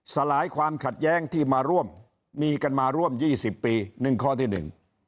สลายความขัดแย้งที่มาร่วมมีกันมาร่วมยี่สิบปีหนึ่งข้อที่หนึ่ง